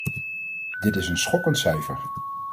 Dit is een schokkend cijfer.